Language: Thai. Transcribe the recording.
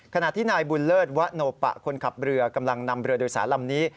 ขณะที่นายบุญเลิศวะโนปะคนขับเรือกำลังนำเรือโดยสารลำนี้